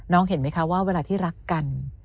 เห็นไหมคะว่าเวลาที่รักกัน